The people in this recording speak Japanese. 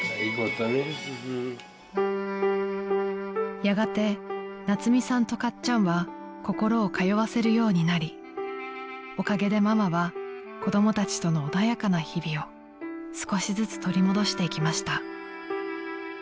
［やがて夏海さんとかっちゃんは心を通わせるようになりおかげでママは子供たちとの穏やかな日々を少しずつ取り戻していきました］